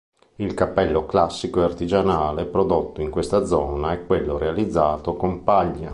Il cappello classico e artigianale prodotto in questa zona è quello realizzato con paglia.